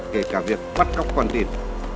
kể cả việc bắt cóc con tiền